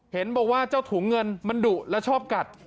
เห็นบอกว่าเจ้าถุงเงินมันดุและชอบกัด